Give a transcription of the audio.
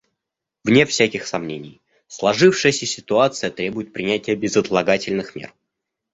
Вне всяких сомнений, сложившаяся ситуация требует принятия безотлагательных мер.